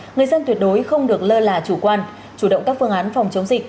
người dân tuyệt đối không được lơ là chủ quan chủ động các phương án phòng chống dịch